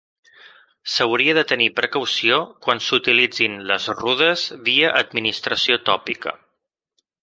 S'hauria de tenir precaució quan s'utilitzin les rudes via administració tòpica.